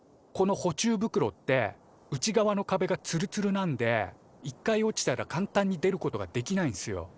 この捕虫袋って内側のかべがツルツルなんで一回落ちたら簡単に出ることができないんすよ。